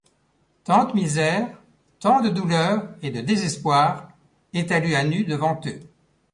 Tant de misère, tant de douleurs et de désespoir étalés à nu devant eux